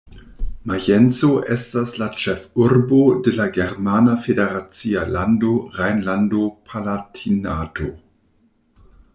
Majenco estas la ĉefurbo de la germana federacia lando Rejnlando-Palatinato-